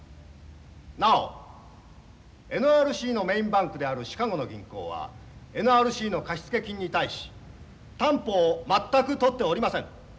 なおＮＲＣのメインバンクであるシカゴの銀行はＮＲＣの貸付金に対し担保を全くとっておりません。